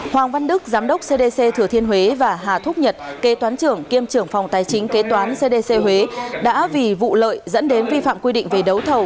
hoàng văn đức giám đốc cdc thừa thiên huế và hà thúc nhật kế toán trưởng kiêm trưởng phòng tài chính kế toán cdc huế đã vì vụ lợi dẫn đến vi phạm quy định về đấu thầu